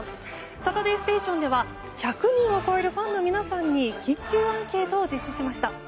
「サタデーステーション」では１００人を超えるファンの皆さんに緊急アンケートを実施しました。